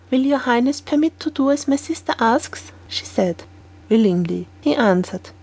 "Will your highness permit me to do as my sister asks?" said she. "Willingly," he answered.